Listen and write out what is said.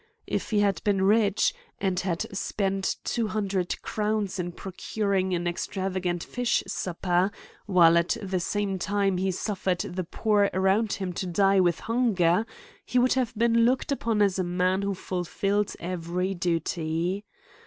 If he had been rich, and had spent two hundred crowns in procuring an extravagant fish supper, while at the same time he suffered the poor around him to die with hun ger, he would have been looked upon ^s a man who fulfilled every duty.